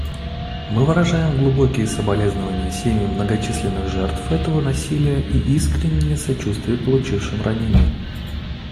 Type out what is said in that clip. Мы выражаем глубокие соболезнования семьям многочисленных жертв этого насилия и искреннее сочувствие получившим ранения.